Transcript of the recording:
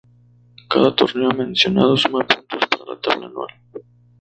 Cada torneo mencionado suma puntos para la tabla anual.